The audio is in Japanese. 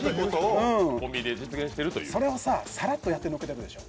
それをさ、さらっとやってのけてるでしょ。